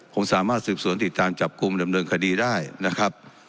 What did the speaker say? คงสามารถสืบสวนติดตามจับกลุ่มดำเนินคดีได้นะครับ